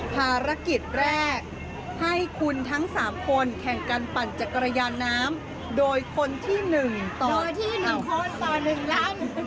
ภารกิจแรกให้คุณทั้ง๓คนแข่งกันปั่นจักรยานน้ำโดยคนที่๑ต่อที่๑คนต่อ๑ลำ